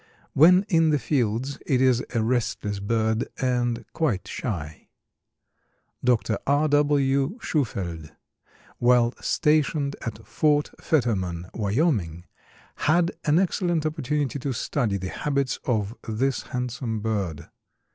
When in the fields it is a restless bird and quite shy. Dr. R. W. Shufeldt, while stationed at Fort Fetterman, Wyoming, had an excellent opportunity to study the habits of this handsome bird.